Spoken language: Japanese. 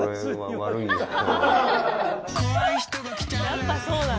やっぱそうなんだ。